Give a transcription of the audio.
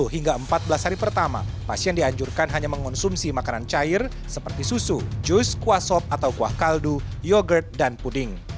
dua puluh hingga empat belas hari pertama pasien dianjurkan hanya mengonsumsi makanan cair seperti susu jus kuah sop atau kuah kaldu yogurt dan puding